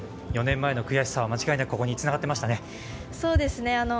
４年前の悔しさは間違いなくここにつながっていましたね。